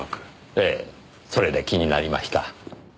ええそれで気になりました。